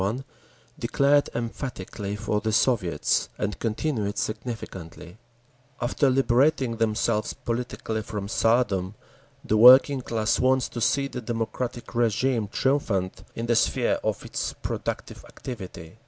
1) declared emphatically for the Soviets, and continued significantly, After liberating themselves politically from Tsardom, the working class wants to see the democratic régime triumphant in the sphere of its productive activity.